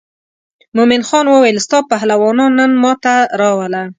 مومن خان وویل ستا پهلوانان نن ما ته راوله.